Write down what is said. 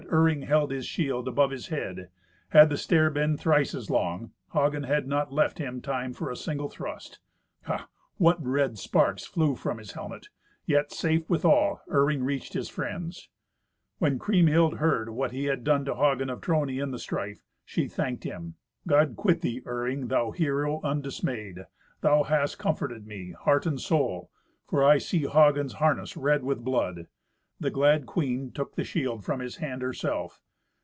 But Iring held his shield above his head. Had the stair been thrice as long, Hagen had not left him time for a single thrust. Ha! what red sparks flew from his helmet! Yet, safe withal, Iring reached his friends. When Kriemhild heard what he had done to Hagen of Trony in the strife, she thanked him. "God quit thee, Iring, thou hero undismayed! thou hast comforted me, heart and soul, for I see Hagen's harness red with blood." The glad queen took the shield from his hand herself.